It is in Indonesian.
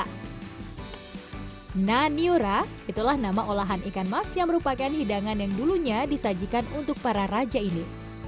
hai naniura itulah nama olahan ikan mas yang merupakan hidangan yang dulunya disajikan untuk para raja ini